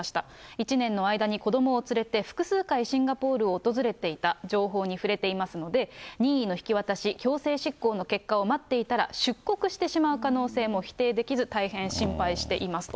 １年の間に子どもを連れて、複数回シンガポールを訪れていた情報に触れていますので、任意の引き渡し、強制執行の結果を待っていたら、出国してしまう可能性も否定できず、大変心配していますと。